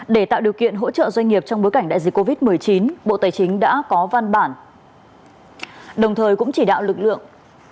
để tạo điều kiện hỗ trợ doanh nghiệp trong bối cảnh đại dịch covid một mươi chín bộ tài chính đã có văn bản đồng thời cũng chỉ đạo lực lượng